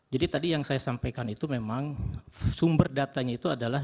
jadi tadi yang saya sampaikan itu memang sumber datanya itu adalah